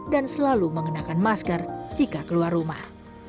dan selalu mengenakan masker jika keluar rumah